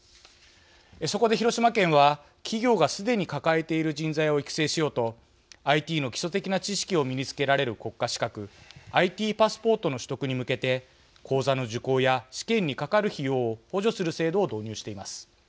そこで、広島県は企業がすでに抱えている人材を育成しようとＩＴの基礎的な知識を身につけられる国家資格ＩＴパスポートの取得に向けて講座の受講や試験にかかる費用を補助する制度を導入しています。